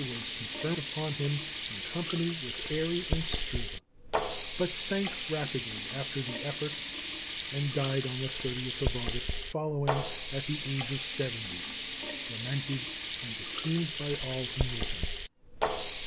was conferred upon him in company with Airy and Struve; but sank rapidly after the effort, and died on the 30th of August following, at the age of seventy, lamented and esteemed by all who knew him.